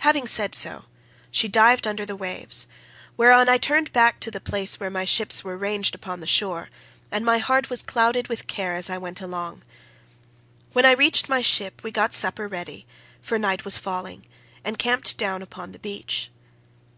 "Having so said she dived under the waves, whereon I turned back to the place where my ships were ranged upon the shore; and my heart was clouded with care as I went along. When I reached my ship we got supper ready, for night was falling, and camped down upon the beach.